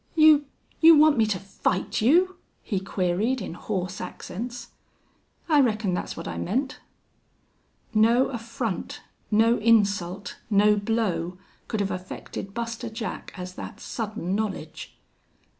"You you want me to fight you?" he queried, in hoarse accents. "I reckon that's what I meant." No affront, no insult, no blow could have affected Buster Jack as that sudden knowledge.